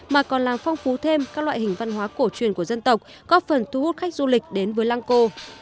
mà còn làm phong phú thêm các loại hình văn hóa cổ truyền của dân tộc góp phần thu hút khách du lịch đến với lăng cô